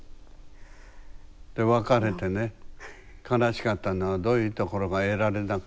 で別れてね悲しかったのはどういうところが得られなくなったから悲しいって。